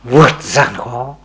vượt giàn khó